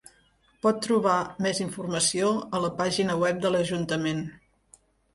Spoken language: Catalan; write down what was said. Pot trobar més informació a la pàgina web de l'Ajuntament.